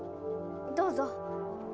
どうぞ。